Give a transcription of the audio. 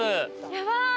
やばい！